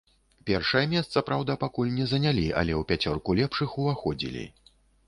Першае месца, праўда, пакуль не занялі, але ў пяцёрку лепшых уваходзілі.